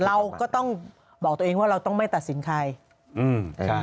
แต่เราก็ต้องบอกตัวเองว่าเราต้องไม่ตัดสินใคร